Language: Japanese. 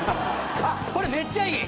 あっこれめっちゃいい。